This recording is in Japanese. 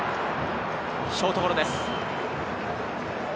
ショートゴロです。